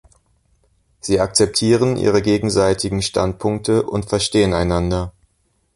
Sie akzeptieren ihre gegenseitigen Standpunkte und verstehen einander.